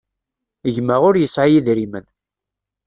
Gma ur yesɛi idrimen.